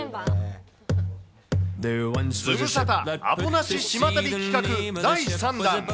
ズムサタアポなし島旅企画第３弾。